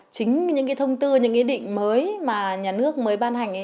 chính những cái thông tư những cái ý định mới mà nhà nước mới ban hành ấy